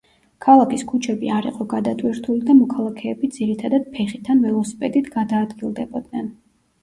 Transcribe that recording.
ქალაქის ქუჩები არ იყო გადატვირთული და მოქალაქეები ძირითადად ფეხით ან ველოსიპედით გადაადგილდებოდნენ.